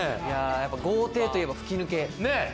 豪邸といえば吹き抜け。